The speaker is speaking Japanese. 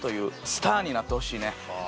スターになってほしいね。